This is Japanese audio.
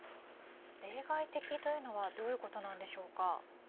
例外的というのはどういうことでしょうか。